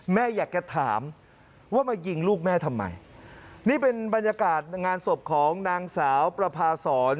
แม่อยากจะถามว่ามายิงลูกแม่ทำไมนี่เป็นบรรยากาศงานศพของนางสาวประพาสร